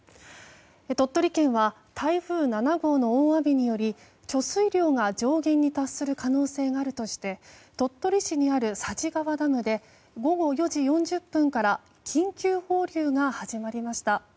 鳥取県は、台風７号の大雨により貯水量が上限に達する可能性があるとして鳥取市にある佐治川ダムで午後４時４０分から緊急放流が始まりました。